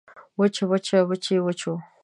وچ وچه وچې وچو